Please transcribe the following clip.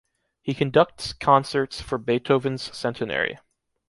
He conducts concerts for Beethoven’s centenary.